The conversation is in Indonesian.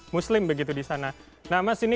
muslim begitu di sana nah mas ini